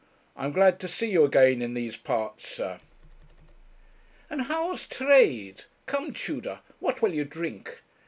I am glad to see you again in these parts, sir.' 'And how's trade? Come, Tudor, what will you drink?